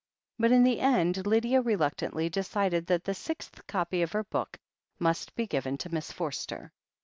But, in the end, Lydia reluctantly decided that the sixth copy of her book must be given to Miss Forster.